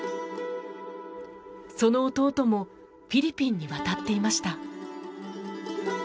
その弟もフィリピンに渡っていました。